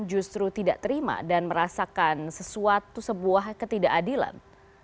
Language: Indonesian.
justru tidak terima dan merasakan sesuatu sebuah ketidakadilan